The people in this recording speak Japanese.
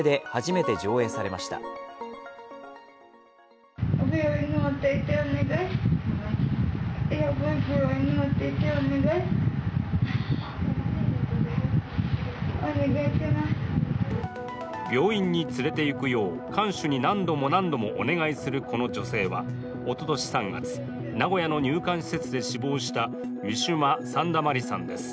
病院に連れていくよう看守に何度も何度もお願いするこの女性はおととし３月、名古屋の入管施設で死亡したウィシュマ・サンダマリさんです。